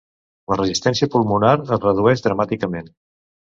La resistència pulmonar es redueix dramàticament.